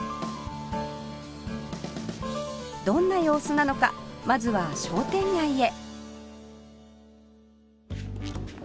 どんな様子なのかまずは商店街へ